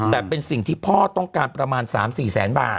แต่เป็นสิ่งที่พ่อต้องการประมาณ๓๔แสนบาท